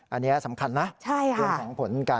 อันนี้สำคัญนะ